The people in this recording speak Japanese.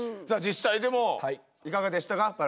さあ実際でもいかがでしたか？